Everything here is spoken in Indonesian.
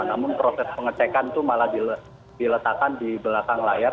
namun proses pengecekan itu malah diletakkan di belakang layar